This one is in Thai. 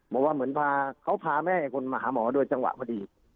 บอกว่าเหมือนพาเขาพาแม่อีกคนมาหาหมอโดยจังหวะพอดี